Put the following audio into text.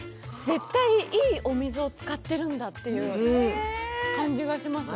絶対、いいお水を使っているんだという感じがします。